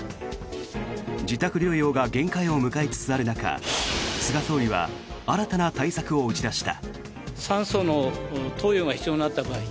自宅療養が限界を迎えつつある中菅総理は新たな対策を打ち出した。